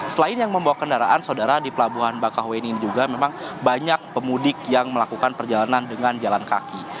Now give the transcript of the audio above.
selain yang membawa kendaraan saudara di pelabuhan bakahuni ini juga memang banyak pemudik yang melakukan perjalanan dengan jalan kaki